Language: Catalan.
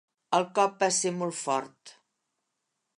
El cop va ser molt fort.